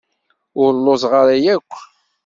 Ur lluẓeɣ ara akk.